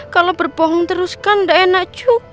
kalau berbohong terus kan tidak enak juga